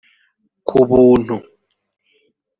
ku buntu